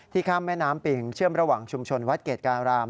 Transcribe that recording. ข้ามแม่น้ำปิ่งเชื่อมระหว่างชุมชนวัดเกรดการาม